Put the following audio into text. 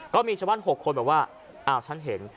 ก็มีชาวบ้าน๖คนบอกว่าอ้าวฉันเห็น